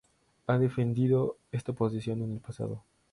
Ha defendido esta posición en el pasado.